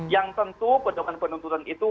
yang tentu pedoman penuntutan itu